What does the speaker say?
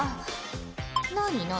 何何？